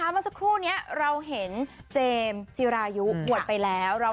เมื่อสักครู่นี้เราเห็นเจมส์จิรายุบวชไปแล้ว